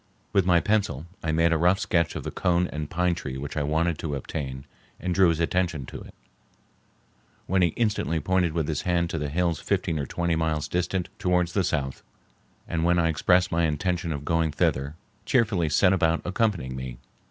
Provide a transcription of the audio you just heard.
With my pencil I made a rough sketch of the cone and pine tree which I wanted to obtain and drew his attention to it, when he instantly pointed with his hand to the hills fifteen or twenty miles distant towards the south; and when I expressed my intention of going thither, cheerfully set about accompanying me.